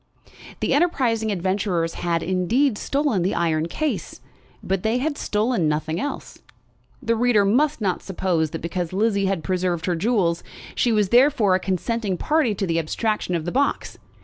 The enterprising adventurers had, indeed, stolen the iron case, but they had stolen nothing else. The reader must not suppose that because Lizzie had preserved her jewels, she was therefore a consenting party to the abstraction of the box.